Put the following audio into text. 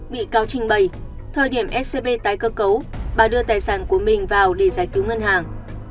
bị cáo trình bày thời điểm scb tái cơ cấu bà đưa tài sản của mình vào để giải cứu ngân hàng